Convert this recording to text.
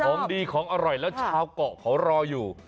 ของดีของอร่อยแล้วชาวเกาะเขารออยู่